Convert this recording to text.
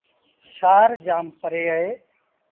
شآهر جآم پري اهي ۔